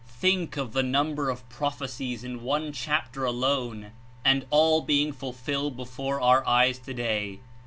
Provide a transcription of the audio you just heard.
Think of the number of prophecies in one chapter alone, and all being fulfilled before our eyes today!